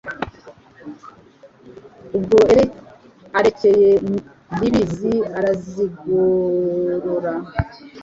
Ubwo arekeye Ndibizi arazigorora,